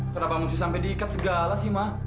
kenapa mesti sampai diikat segala sih ma